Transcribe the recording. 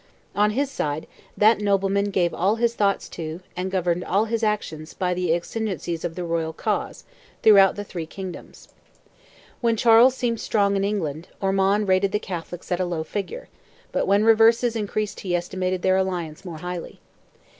On his side, that nobleman gave all his thoughts to, and governed all his actions by the exigencies of the royal cause, throughout the three Kingdoms. When Charles seemed strong in England, Ormond rated the Catholics at a low figure; but when reverses increased he estimated their alliance more highly.